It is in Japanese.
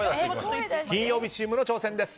金曜日チームの挑戦です。